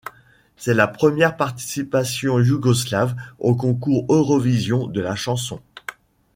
C'est la première participation yougoslave au Concours Eurovision de la chanson.